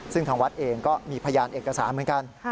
ซึ่งทางวัดเองก็มีพยานเอกสารเหมือนกัน